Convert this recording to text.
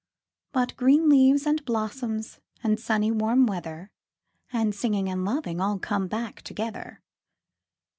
But green leaves, and blossoms, and sunny warm weather, 5 And singing, and loving all come back together.